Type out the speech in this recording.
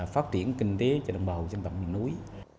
phát triển kinh tế cho đồng bào dân tộc miền núi